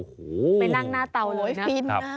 ไปนั่งหน้าเตาเลยนะ